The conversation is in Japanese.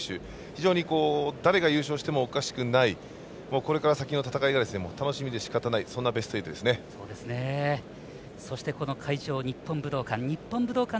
非常に誰が優勝してもおかしくないこれから先の戦いが楽しみでしかたないそして会場、日本武道館。